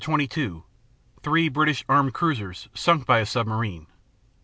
22 Three British armored cruisers sunk by a submarine.